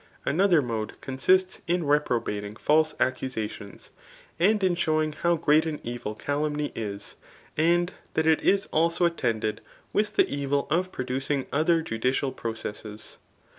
Another mode consists in reprobating false accusations, and in showing how great an evil calumny is, and that it is also attended with the evil of producing other judi cial processes.